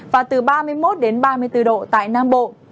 và từ ba mươi một đến ba mươi bốn độ tại nam bộ